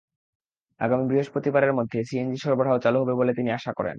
আগামী বৃহস্পতিবারের মধ্যে সিএনজি সরবরাহ চালু হবে বলে তিনি আশা করেন।